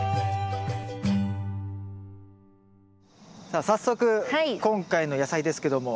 さあ早速今回の野菜ですけども。